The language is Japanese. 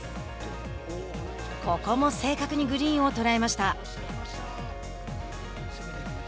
ここも正確にグリーンを捉えました。